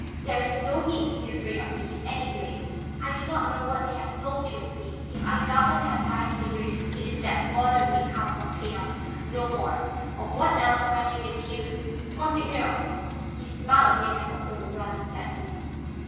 There is no need to be afraid of me in any way. I do not know what they have told you of me; if I govern the Empire severely, it is that order may come from chaos, no more. Of what else I may be accused " "Monseigneur!" He smiled again at her tone, rather sadly.